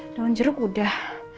daun jeruk udah